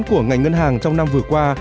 của ngành ngân hàng trong năm vừa qua